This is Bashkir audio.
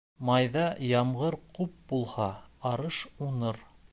Майҙа ямғыр күп булһа, арыш уңыр.